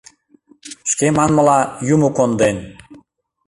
Шке манмыла, юмо конден.